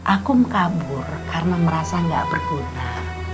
akum kabur karena merasa gak berguna